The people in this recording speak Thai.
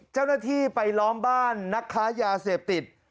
เจ้าหน้าที่ไปล้อมบ้านนักค้ายาเสพติด